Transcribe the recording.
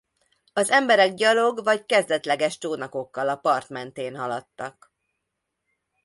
Az emberek gyalog vagy kezdetleges csónakokkal a part mentén haladtak.